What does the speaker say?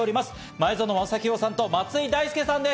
前園真聖さんと、松井大輔さんです。